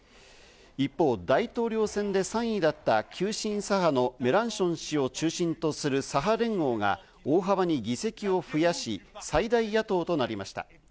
一方、大統領選で３位だった急進左派のメランション氏を中心とする左派連合が大幅に議席を増やし、最大野党となりました。